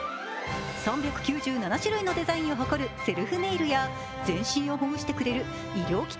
３９７種類のデザインを誇るセルフネイルや全身をほぐしてくれる医療機器